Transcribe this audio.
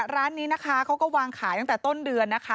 ร้านนี้นะคะเขาก็วางขายตั้งแต่ต้นเดือนนะคะ